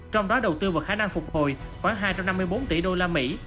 trong đó đầu tư vào khả năng phục hồi khoảng hai trăm năm mươi bốn tỷ usd